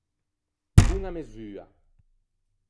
Boña mesua.